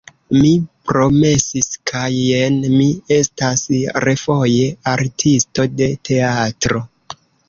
Mi promesis kaj jen mi estas refoje artisto de teatro.